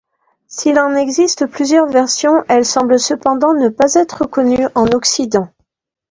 S'il en existe plusieurs versions, elle semble cependant ne pas être connue en Occident.